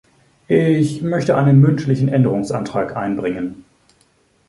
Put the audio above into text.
Ich möchte einen mündlichen Änderungsantrag einbringen.